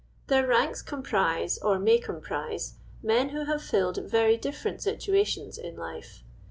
Their ranks comprise, or may com prise, men who have filled very different situa tions in life.